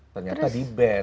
ternyata di band